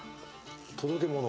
届け物？